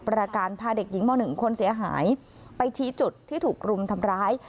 ประการพาเด็กหญิงม๑คนเสียหายไปชี้จุดที่ถูกรุมทำร้าย